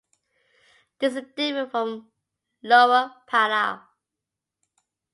This is different from Lower Parel.